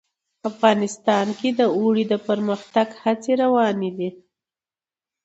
افغانستان کې د اوړي د پرمختګ هڅې روانې دي.